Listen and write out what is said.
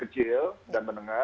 kecil dan menengah